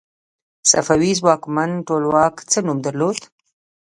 صفوي ځواکمن ټولواک څه نوم درلود؟